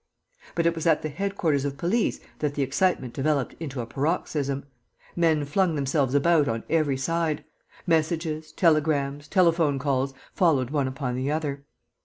But it was at the headquarters of police that the excitement developed into a paroxysm. Men flung themselves about on every side. Messages, telegrams, telephone calls followed one upon the other.